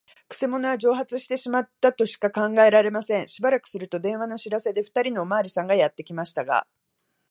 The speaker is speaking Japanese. くせ者は蒸発してしまったとしか考えられません。しばらくすると、電話の知らせで、ふたりのおまわりさんがやってきましたが、